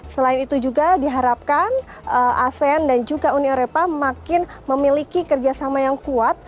selain itu juga diharapkan asean dan juga uni eropa makin memiliki kerjasama yang kuat